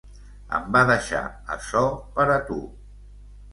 Em va deixar açò per a tu.